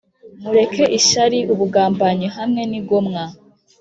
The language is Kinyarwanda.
Mureke ishyari, ubugambanyi hamwe nigomwa